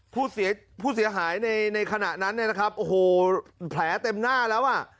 ผู้เสียหายผู้เสียหายในในขณะนั้นเนี่ยนะครับโอ้โหแผลเต็มหน้าแล้วอ่ะ